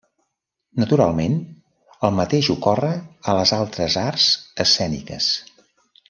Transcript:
Naturalment, el mateix ocorre a les altres arts escèniques.